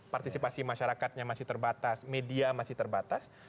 partisipasi masyarakatnya masih terbatas media masih terbatas